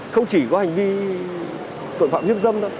không chỉ có hành vi tội phạm